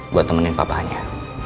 buat nemenin papa annya